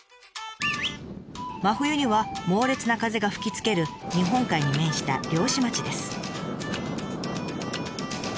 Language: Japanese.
真冬には猛烈な風が吹きつける日本海に面した漁師町です。